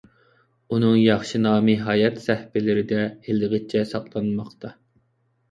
ئۇنىڭ ياخشى نامى ھايات سەھىپىلىرىدە ھېلىغىچە ساقلانماقتا.